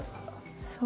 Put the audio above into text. そう。